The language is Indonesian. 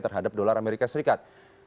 terhadap dolar amerika serikat